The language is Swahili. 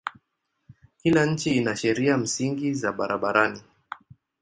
Kila nchi ina sheria msingi za barabarani.